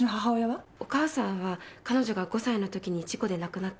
お母さんは彼女が５歳のときに事故で亡くなってます。